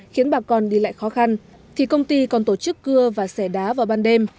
khiến bà con đi lại khó khăn thì công ty còn tổ chức cưa và xẻ đá vào ban đêm